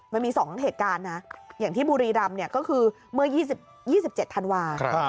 มันมี๒เหตุการณ์นะอย่างที่บุรีรำก็คือเมื่อ๒๗ธันวาคม